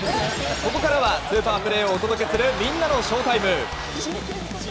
ここからはスーパープレーをお届けするみんなのＳＨＯＷＴＩＭＥ。